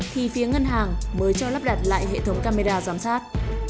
thì phía ngân hàng mới cho lắp đặt lại hệ thống camera giám sát